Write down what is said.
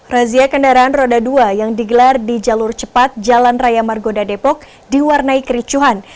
razia kendaraan roda dua yang digelar di jalur cepat jalan raya margonda depok diwarnai kericuhan